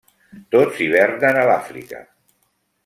Tots hivernen a l'Àfrica.